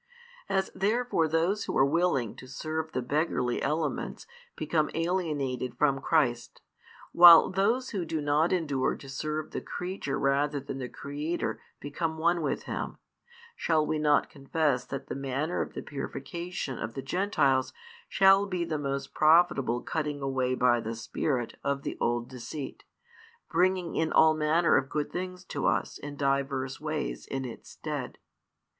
As therefore those who are willing to serve the beggarly elements become alienated from Christ, while those who do not endure to serve the creature rather than the Creator become one with Him, shall we not confess that the manner of the purification of the Gentiles shall be the most profitable cutting away by the Spirit of the old deceit, bringing in all manner of good things to us in divers ways in its stead?